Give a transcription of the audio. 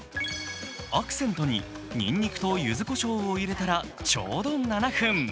アクセントににんにくとゆずこしょうを入れたらちょうど７分。